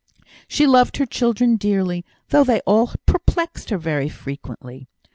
She loved her children dearly, though they all perplexed her very frequently.